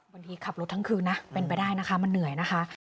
ขับรถทั้งคืนนะเป็นไปได้นะคะมันเหนื่อยนะคะ